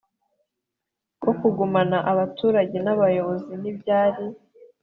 rwo kugumana abaturage n ubuyobozi Ntibyari